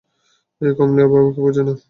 এই কমলি, বাবাকে বুঝা না।